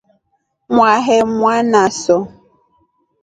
Mwahe mwanaso.